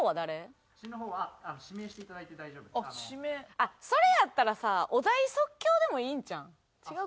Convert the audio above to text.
あっそれやったらさお題即興でもいいんちゃう？